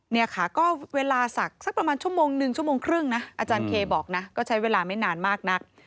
เนี่ยค่ะก็เวลาศักดิ์สักประมาณชั่วโมงหนึ่งชั่วโมงครึ่งนะอาจารย์เคบอกนะก็ใช้เวลาไม่นานมากนัก